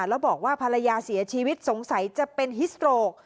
แล้วบอกว่าภรรยาเสียชีวิตสงสัยจะเป็นฮิสโตรก